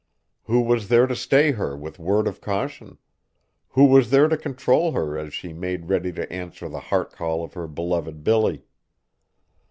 Who was there to stay her with word of caution? Who was there to control her as she made ready to answer the heart call of her beloved Billy?